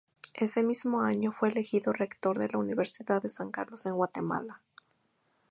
Ese mismo año fue elegido rector de la Universidad de San Carlos en Guatemala.